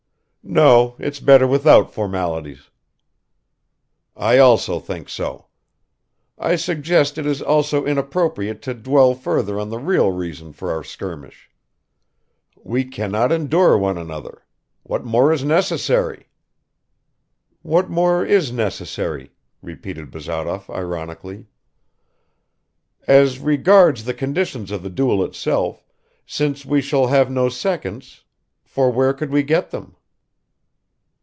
"No, it's better without formalities." "I also think so. I suggest it is also inappropriate to dwell further on the real reason for our skirmish. We cannot endure one another. What more is necessary?" "What more is necessary?" repeated Bazarov ironically. "As regards the conditions of the duel itself, since we shall have no seconds for where could we get them?"